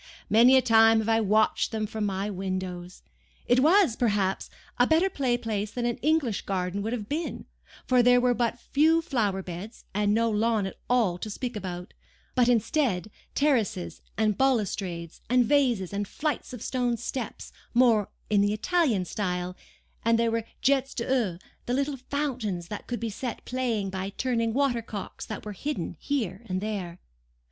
Many a time have I watched them from my windows. It was, perhaps, a better play place than an English garden would have been, for there were but few flower beds, and no lawn at all to speak about; but, instead, terraces and balustrades and vases and flights of stone steps more in the Italian style; and there were jets d'eau, and little fountains that could be set playing by turning water cocks that were hidden here and there.